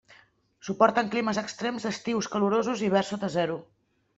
Suporten climes extrems d'estius calorosos i hiverns sota zero.